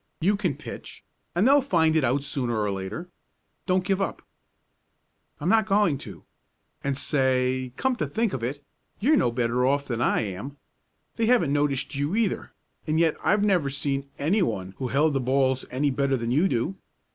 You can pitch, and they'll find it out sooner or later. Don't give up!" "I'm not going to. And say, come to think of it, you're no better off than I am. They haven't noticed you either, and yet I've never seen anyone who held the balls any better than you do.